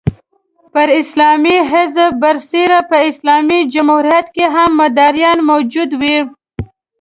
پر اسلامي حزب برسېره په اسلامي جمعیت کې هم مداریان موجود وو.